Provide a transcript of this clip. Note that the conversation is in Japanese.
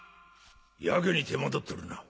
やけに手間取っとるな。